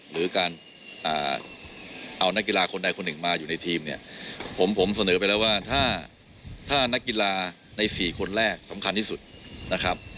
หรือการเอานักกีฬาคนใดคนหนึ่งมาอยู่ในทีมเนี่ยผมเสนอไปแล้วว่าถ้านักกีฬาใน๔คนแรกสำคัญที่สุดนะครับ